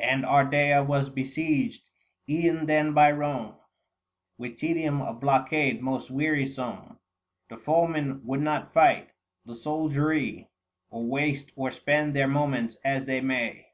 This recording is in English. And Ardea was besieged e'en then by Borne 775 With tedium of blockade most wearisome. The foeman would not fight ; the soldiery, Or waste or spend their moments as they may.